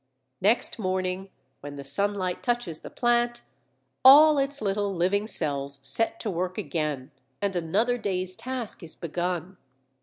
Next morning when the sunlight touches the plant all its little living cells set to work again, and another day's task is begun.